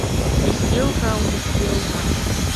Исзеилкаауам, исзеилкаа.